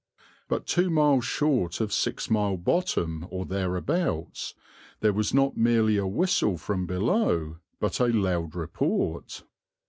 But two miles short of Six Mile Bottom, or thereabouts, there was not merely a whistle from below but a loud report.